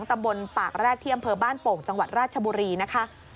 ตำบลปากแร็ดที่อำเภอบ้านโป่งจังหวัดราชบุรีนะคะ